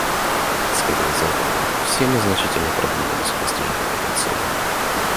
Исходя из этого, все мы значительно продвинулись в достижении этой цели.